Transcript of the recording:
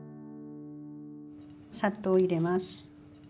砂糖入れます。